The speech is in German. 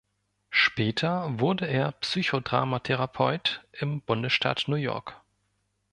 Später wurde er Psychodramatherapeut im Bundesstaat New York.